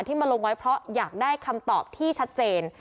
มาลงไว้เพราะอยากได้คำตอบที่ชัดเจน